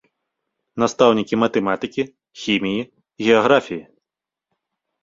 Настаўнікі матэматыкі, хіміі, геаграфіі.